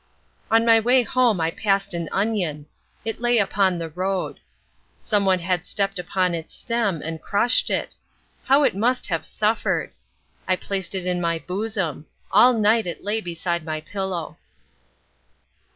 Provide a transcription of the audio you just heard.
On the way home I passed an onion. It lay upon the road. Someone had stepped upon its stem and crushed it. How it must have suffered. I placed it in my bosom. All night it lay beside my pillow.